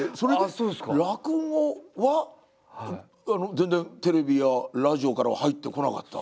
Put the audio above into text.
全然テレビやラジオからは入ってこなかった？